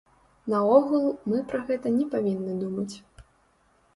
Наогул, мы пра гэта не павінны думаць.